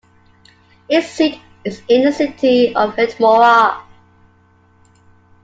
Its seat is in the city of Hedemora.